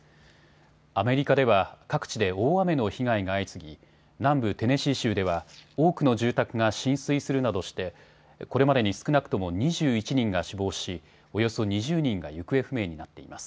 アメリカでは各地で大雨の被害が相次ぎ南部テネシー州では多くの住宅が浸水するなどしてこれまでに少なくとも２１人が死亡し、およそ２０人が行方不明になっています。